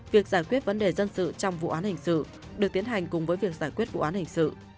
việc giải quyết vấn đề dân sự trong vụ án hình sự được tiến hành cùng với việc giải quyết vụ án hình sự